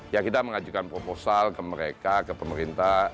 ya kita mengajukan proposal ke mereka ke pemerintah